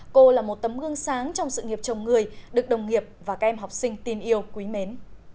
cô là một tấm gương sáng trong sự nghiệp chồng người được đồng nghiệp và các em học sinh tin yêu quý mến